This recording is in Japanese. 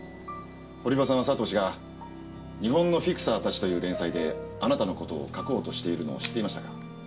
堀場さんは佐藤氏が「日本のフィクサーたち」という連載であなたの事を書こうとしているのを知っていましたか？